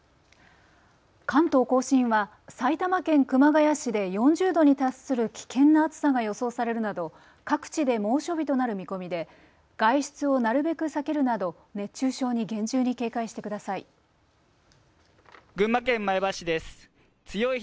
関東甲信は埼玉県熊谷市で４０度に達する危険な暑さが予想されるなど各地で猛暑日となる見込みで外出をなるべく避けるなど熱中症に厳重に警戒してください。